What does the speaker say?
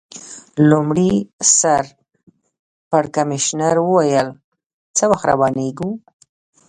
لومړي سر پړکمشر وویل: څه وخت روانېږو؟